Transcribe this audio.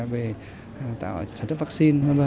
về tạo sản xuất vaccine v v